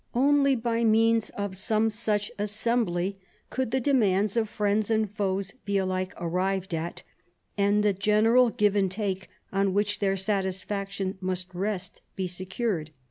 Only by means of some such assembly could the demands of friends and foes be alike arrived at, and the general give and take, on which their satisfaction must rest, be secured.